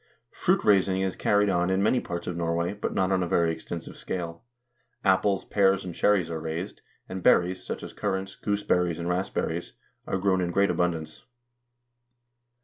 Fruit raising is carried on in many parts of Norway, but not on a very extensive scale. Apples, pears, and cherries are raised, and berries, such as currants, gooseberries, and raspberries, are grown in great abundance.